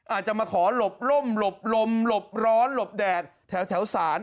อาจจะมาขอหลบล่มหลบลมหลบร้อนหลบแดดแถวศาล